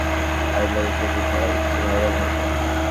তুরস্কের সমুদ্রসৈকতে পড়ে থাকা আয়লানের ছবি সারা বিশ্বে ভাইরাল হয়ে যায়।